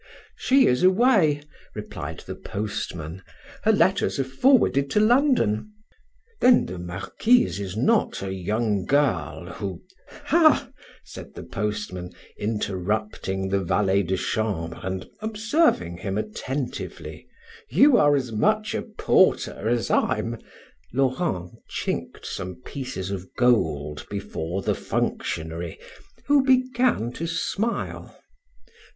"She is away," replied the postman. "Her letters are forwarded to London." "Then the marquise is not a young girl who...?" "Ah!" said the postman, interrupting the valet de chambre and observing him attentively, "you are as much a porter as I'm..." Laurent chinked some pieces of gold before the functionary, who began to smile.